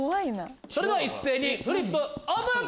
それでは一斉にフリップオープン！